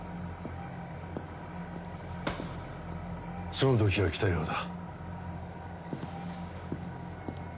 そのときが来たようだ。